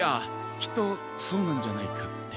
きっとそうなんじゃないかって。